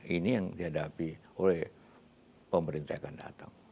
ini yang dihadapi oleh pemerintah yang akan datang